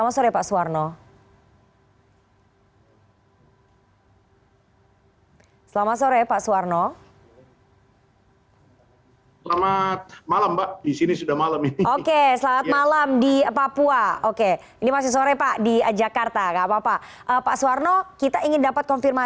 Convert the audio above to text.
selamat sore pak suwarno